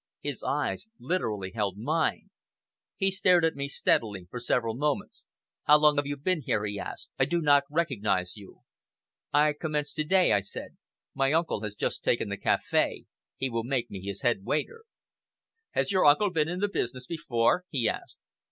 His eyes literally held mine. He stared at me steadily for several moments. "How long have you been there?" he asked. "I do not recognize you." "I commence to day," I said. "My uncle has just taken the café. He will make me his head waiter." "Has your uncle been in the business before?" he asked.